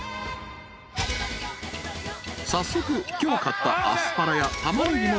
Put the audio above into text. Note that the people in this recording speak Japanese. ［早速今日買ったアスパラやタマネギも使って］